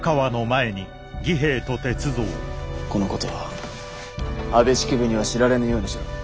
このことは安部式部には知られぬようにしろ。